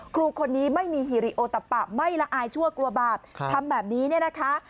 ครูคนนี้ไม่มีฮิริโอตะปะไม่ละอายชั่วกลัวบาปทำแบบนี้เนี่ยนะคะ